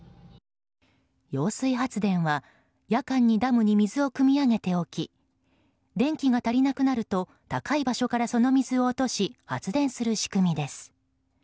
揚水発電は、夜間にダムに水をくみ上げておき電気が足りなくなると高い場所から、その水を落とし発電する仕組みです。